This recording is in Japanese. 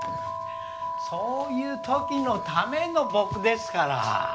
そういう時のための僕ですから。